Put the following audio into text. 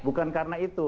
bukan karena itu